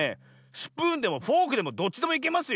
スプーンでもフォークでもどっちでもいけますよ。